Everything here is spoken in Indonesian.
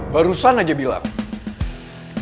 barusan aja bilang